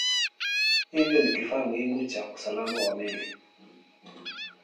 Hivyo ni kifaa muhimu cha usalama wa meli.